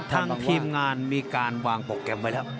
ทางทีมงานมีการวางโปรแกรมไว้แล้ว